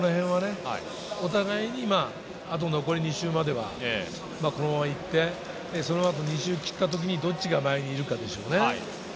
お互いあと残り２周まではこのまま行って、そのあと２周切った時にどちらが前にいるかでしょうね。